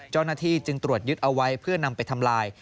เจ้าหน้าที่จึงตรวจยึดเอาไว้เพื่อนำไปทำลาย